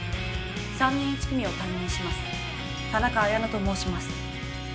３年１組を担任します田中彩乃と申します